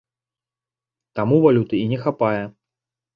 Таму валюты і не хапае!